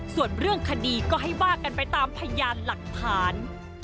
ส่วนเรื่องคดีก็ให้ว่ากันไปตามพยานหลักฐาน